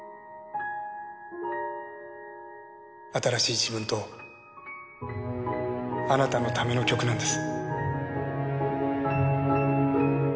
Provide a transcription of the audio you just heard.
新しい自分とあなたのための曲なんです。